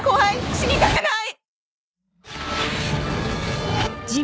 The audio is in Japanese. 死にたくない！